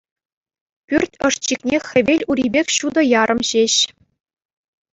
Пӳрт ӑшчикне хӗвел ури пек ҫутӑ ярӑм ҫеҫ.